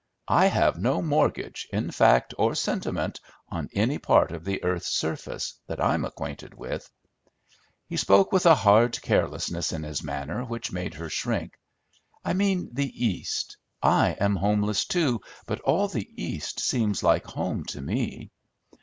I have no mortgage, in fact or sentiment, on any part of the earth's surface, that I'm acquainted with!" He spoke with a hard carelessness in his manner which make her shrink. "I mean the East. I am homeless, too, but all the East seems like home to me."